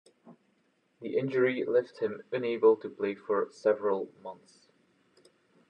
The injury left him unable to play for several months.